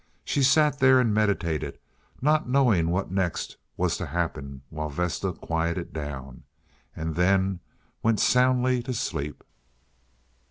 She sat there and meditated, not knowing what next was to happen, while Vesta quieted down, and then went soundly to sleep.